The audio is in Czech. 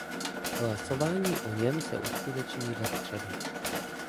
Hlasování o něm se uskuteční ve středu.